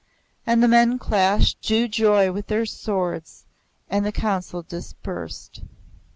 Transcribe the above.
And the men clashed stew joy with their swords, and the council dispersed.